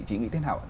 chị nghĩ thế nào ạ